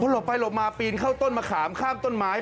หลบไปหลบมาปีนเข้าต้นมะขามข้ามต้นไม้